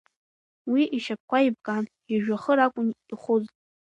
Уи ишьапқәа еибган, ижәҩахыр акәын ихәыз.